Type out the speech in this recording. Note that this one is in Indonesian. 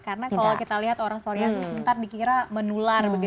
karena kalau kita lihat orang sorian sesementara dikira menular begitu